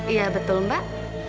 iya betul mbak